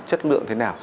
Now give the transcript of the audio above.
chất lượng thế nào